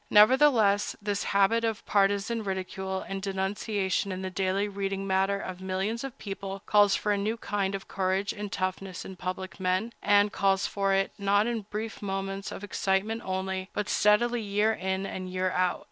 Nevertheless, this habit of partizan ridicule and denunciation in the daily reading matter of millions of people calls for a new kind of courage and toughness in public men, and calls for it, not in brief moments of excitement only, but steadily, year in and year out.